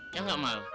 iya gak mau